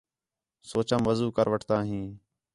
سوچام وضو کر وٹھ تا ہیں